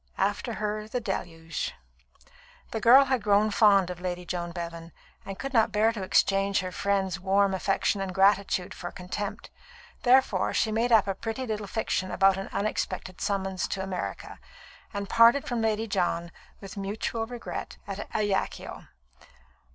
After her the Deluge. The girl had grown fond of Lady John Bevan, and could not bear to exchange her friend's warm affection and gratitude for contempt. Therefore she made up a pretty little fiction about an unexpected summons to America, and parted from Lady John, with mutual regret, at Ajaccio.